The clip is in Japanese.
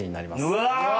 うわ！